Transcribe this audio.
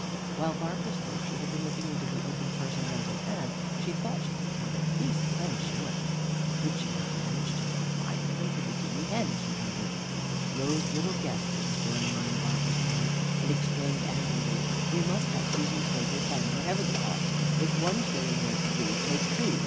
While Barbara spoke she had been looking into the open purse in Rose's hand. She thought she could count at least ten shillings. Could she not manage to get at least five of them for the guinea hen, she wondered? Rose little guessed what was going on in Barbara's mind, and exclaimed angrily, "We must have Susan's favorite hen, whatever it costs. If one shilling won't do, take two.